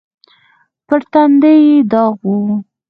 پر تندي يې داغ و.